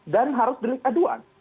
dan harus delik aduan